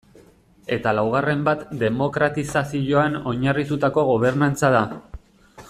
Eta laugarren bat demokratizazioan oinarritutako gobernantza da.